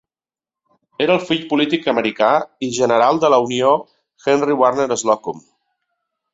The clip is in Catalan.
Era el fill del polític americà i general de la Unió Henry Warner Slocum.